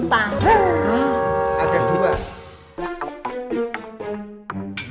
tata tanya disini dia mutang